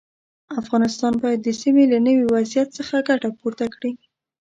افغانستان باید د سیمې له نوي وضعیت څخه ګټه پورته کړي.